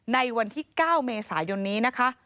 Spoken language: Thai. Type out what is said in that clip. ในวันที่๙เมษายนนี้นะคะ